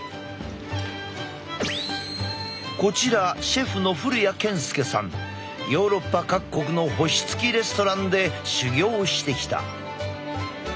こちらヨーロッパ各国の星つきレストランで修業してきた。